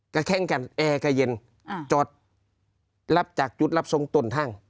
ก็แข้งกันแอร์กระเย็นจอดรับจากจุดรับทรงตนห้าง